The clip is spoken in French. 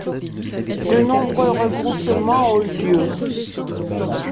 De nombreux regroupements ont eu lieu.